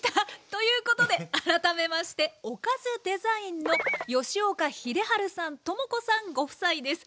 ということで改めましてオカズデザインの吉岡秀治さん知子さんご夫妻です。